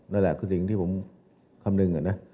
นั่นแหละคือสิ่งที่ผมคำนึงนะ